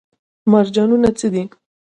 مرجانونه څه دي؟